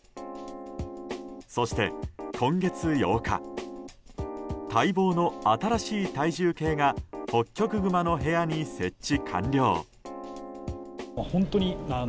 そして今月８日待望の新しい体重計がホッキョクグマの部屋に設置完了。